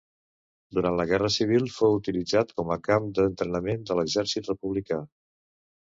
Durant la Guerra Civil fou utilitzat com a camp d'entrenament de l'exèrcit republicà.